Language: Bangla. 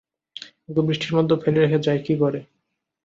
ওকে বৃষ্টির মধ্যে ফেলে রেখে যাই কী করে।